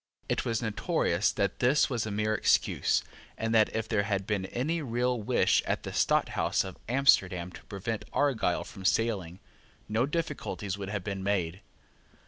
It was notorious that this was a mere excuse, and that, if there had been any real wish at the Stadthouse of Amsterdam to prevent Argyle from sailing, no difficulties would have been made.